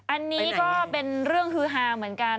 อันนี้ก็เป็นเรื่องฮือฮาเหมือนกัน